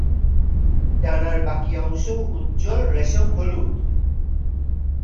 ডানার বাকী অংশ উজ্জ্বল রেশম হলুদ।